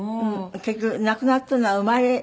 結局亡くなったのは生まれ。